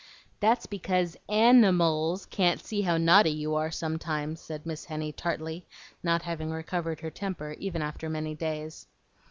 "That's because AN I MALS can't see how naughty you are sometimes," said Miss Henny tartly, not having recovered her temper even after many days.